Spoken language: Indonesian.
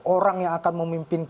orang yang akan memimpinkan presiden